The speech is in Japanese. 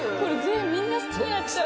みんな好きになっちゃう。